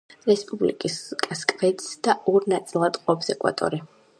რესპუბლიკას კვეთს და ორ ნაწილად ყოფს ეკვატორი.